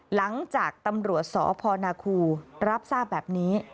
หลังจากตำรวจสพนาคูรับทราบแบบนี้